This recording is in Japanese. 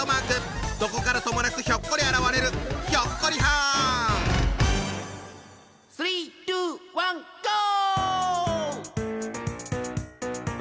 どこからともなくひょっこり現れる「スリーツーワンゴー！」。